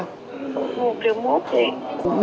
một triệu một thì